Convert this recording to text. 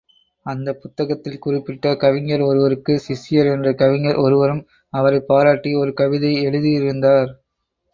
அந்தப் புத்தகத்தில் குறிப்பிட்ட கவிஞர் ஒருவருக்குச் சிஷ்யர் என்ற கவிஞர் ஒருவரும் அவரைப் பாராட்டி ஒரு கவிதை எழுதியிருந்தார்.